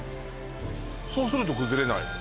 そうすると崩れないの？